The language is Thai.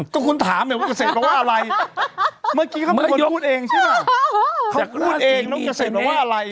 ก็คุณถามเหมือนกินว่าเกษตรประวังอะไร